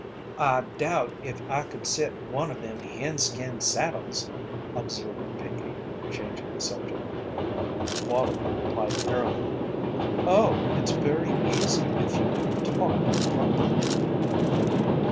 "I doubt if I could set one of them hen skin saddles," observed Pinkey, changing the subject. Wallie replied airily: "Oh, it's very easy if you've been taught properly."